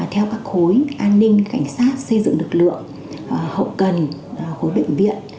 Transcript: theo các khối an ninh cảnh sát xây dựng lực lượng hậu cần khối bệnh viện